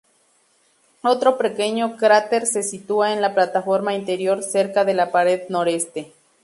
Otro pequeño cráter se sitúa en la plataforma interior cerca de la pared noreste.